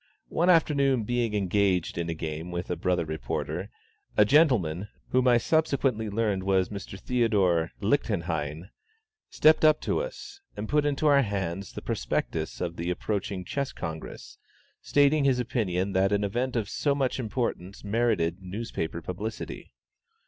One afternoon being engaged in a game with a brother reporter, a gentleman, whom I subsequently learned was Mr. Theodore Lichtenhein, stepped up to us, and put into our hands the prospectus of the approaching Chess Congress, stating his opinion that an event of so much importance merited newspaper publicity.